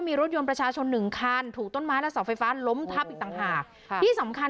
มีประชาชนในพื้นที่เขาถ่ายคลิปเอาไว้ได้ค่ะ